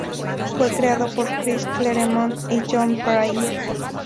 Fue creado por Chris Claremont y John Byrne.